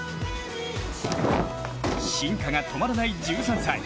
進化が止まらない１３歳。